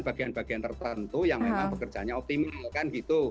bagian bagian tertentu yang memang pekerjaannya optimal kan gitu